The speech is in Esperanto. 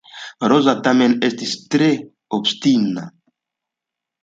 Roza tamen estis tre obstina.